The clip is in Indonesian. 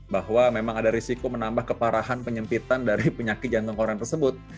bahwa memang ada risiko menambah keparahan penyempitan dari penyakit jantung koron tersebut